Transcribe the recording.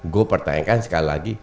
gue pertanyakan sekali lagi